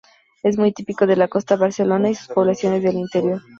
Es muy típico de la costa barcelonesa y de sus poblaciones del interior.